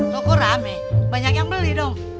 buku rame banyak yang beli dong